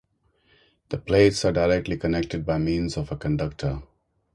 The plates are directly connected by means of a conductor.